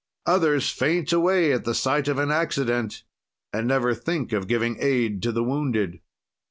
Others faint away at sight of an accident and never think of giving aid to the wounded.